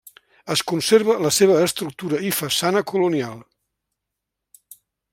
Es conserva la seva estructura i façana colonial.